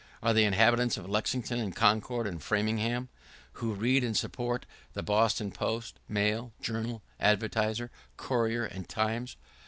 are they inhabitants of Lexington and Concord and Framingham, who read and support the Boston Post, Mail, Journal, Advertiser, Courier, and Times?